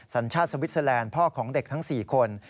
สัญชาติสวิสเตอร์แลนด์พ่อของเด็กทั้ง๔คน